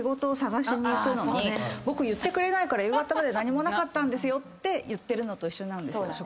僕言ってくれないから夕方まで何もなかったんですよて言ってるのと一緒なんです。